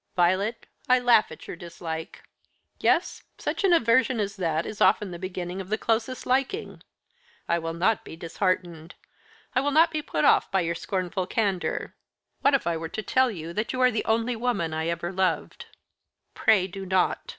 Violet, I laugh at your dislike. Yes, such aversion as that is often the beginning of closest liking. I will not be disheartened. I will not be put off by your scornful candour. What if I were to tell you that you are the only woman I ever loved?" "Pray do not.